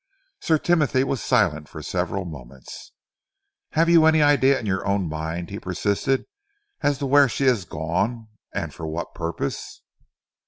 Sir Timothy was silent for several moments. "Have you any idea in your own mind," he persisted, "as to where she has gone and for what purpose?"